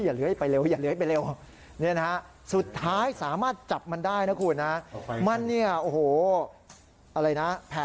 เลื้อยไปเร็วอย่าเลื้อยไปเร็วสุดท้ายสามารถจับมันได้นะคุณนะ